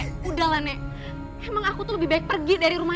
oke boleh kamu berkata sendiri dulu ya